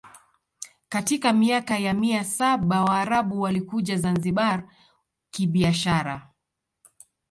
Katika miaka ya mia saba Waarabu walikuja Zanzibar kibiashara